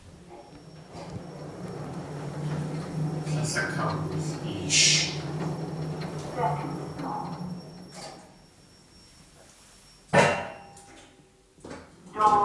Tlél akawul.eesh.